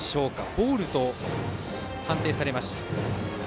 ボールと判定されました。